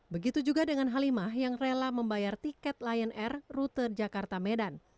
begitu juga dengan halimah yang rela membayar tiket lion air rute jakarta medan